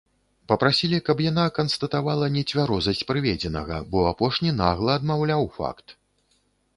Папрасілі, каб яна канстатавала нецвярозасць прыведзенага, бо апошні нагла адмаўляў факт!